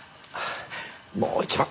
もう一番。